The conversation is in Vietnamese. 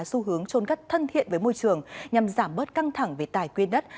xu hướng trôn cất thân thiện với môi trường nhằm giảm bớt căng thẳng về tài quyên đất